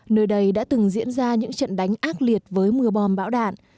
nơi đây đã từng diễn ra những trận đánh ác liệt với mưa bom bão đạn